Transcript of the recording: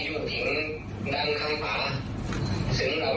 ไปเจอกับภูมิเลย